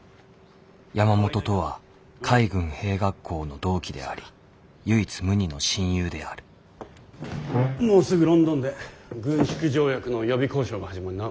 山本とは海軍兵学校の同期であり唯一無二の親友であるもうすぐロンドンで軍縮条約の予備交渉が始まるな。